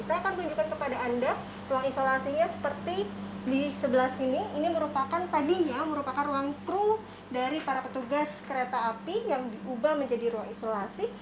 saya akan tunjukkan kepada anda ruang isolasinya seperti di sebelah sini ini merupakan tadinya merupakan ruang kru dari para petugas kereta api yang diubah menjadi ruang isolasi